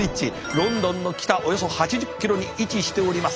ロンドンの北およそ８０キロに位置しております。